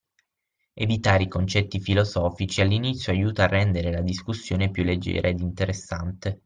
Evitare i concetti filosofici all’inizio aiuta a rendere la discussione più leggera ed interessante